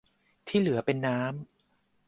ที่เหลือเป็นน้ำ